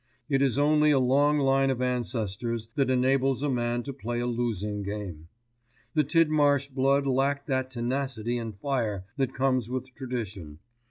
It is only a long line of ancestors that enables a man to play a losing game. The Tidmarsh blood lacked that tenacity and fire that comes with tradition.